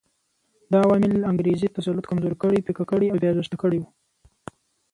دا عوامل انګریزي تسلط کمزوري کړي، پیکه کړي او بې ارزښته کړي وو.